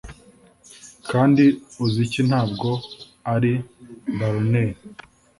kandi uzi iki Ntabwo ari baloney